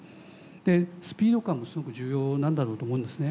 でスピード感がすごく重要なんだろうと思うんですね。